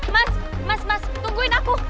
mas mas mas tungguin aku